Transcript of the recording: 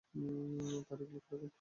তারিখ লিখে রাখুন।